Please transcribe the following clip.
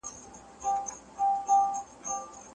د رندانو تر محفله جنتیان ولي راځي